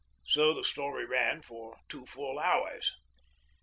So the story ran for a full two hours.